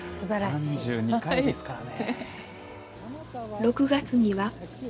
３２回ですからね。